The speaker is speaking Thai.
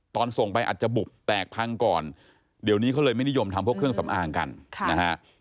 ตอนส่งไปอาจจะบุบแตกพังก่อนเดี๋ยวนี้เขาเลยไม่นิยมทำพวกเครื่องสำอางกันนะฮะ